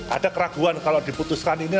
ada keraguan kalau diputuskan ini